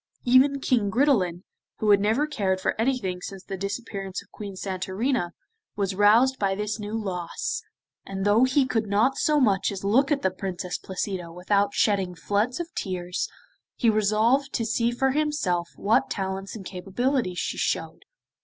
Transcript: Even King Gridelin, who had never cared for anything since the disappearance of Queen Santorina, was roused by this new loss, and though he could not so much as look at the Princess Placida without shedding floods of tears, he resolved to see for himself what talents and capabilities she showed.